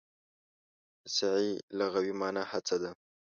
د سعې لغوي مانا هڅه ده.